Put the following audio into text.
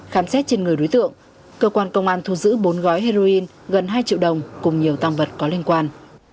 khám xét trên người đối tượng cơ quan công an thu giữ bốn gói heroin gần hai triệu đồng cùng nhiều tăng vật có liên quan